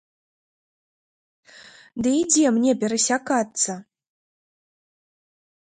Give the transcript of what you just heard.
Ды і дзе мне перасякацца?